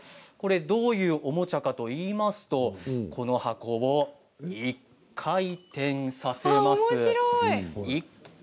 どういうおもちゃかといいますとこの箱を１回転させますと。